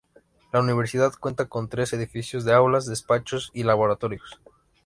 La Universidad cuenta con tres edificios de aulas, despachos y laboratorios.